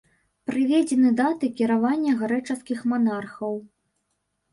Прыведзены даты кіравання грэчаскіх манархаў.